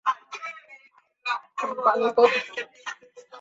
Azim-us-Shan se sintió traicionado ya que esto se hizo sin su permiso.